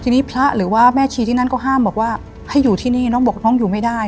ทีนี้พระหรือว่าแม่ชีที่นั่นก็ห้ามบอกว่าให้อยู่ที่นี่น้องบอกน้องอยู่ไม่ได้